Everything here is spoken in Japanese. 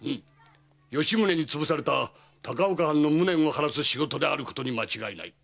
吉宗に潰された高岡藩の無念を晴らす仕事なのは間違いない。